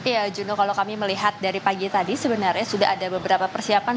ya juno kalau kami melihat dari pagi tadi sebenarnya sudah ada beberapa persiapan